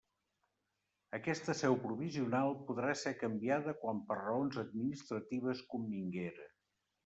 Aquesta seu provisional podrà ser canviada quan per raons administratives convinguera.